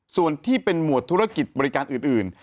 ส่วนที่เป็นหมวดธุรกิจบริการอื่น